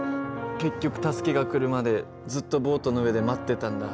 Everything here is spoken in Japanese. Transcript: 結局助けが来るまでずっとボートの上で待ってたんだ。